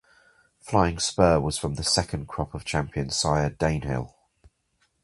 Flying Spur was from the second crop of champion sire Danehill.